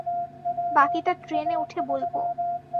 বাকিটা ট্রেনে উঠে বলব।